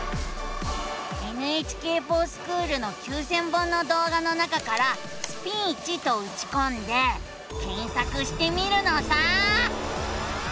「ＮＨＫｆｏｒＳｃｈｏｏｌ」の９，０００本の動画の中から「スピーチ」とうちこんで検索してみるのさ！